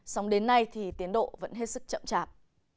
xong đến nay thì tiến độ vẫn hết sức chậm chạp